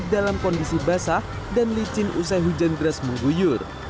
dalam kondisi basah dan licin usai hujan deras mengguyur